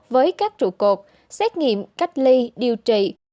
với các trụ cột xét nghiệm cách ly điều trị